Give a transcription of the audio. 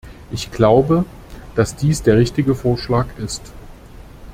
Ich glaube, dass dies der richtige Vorschlag ist.